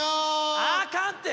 あかんて！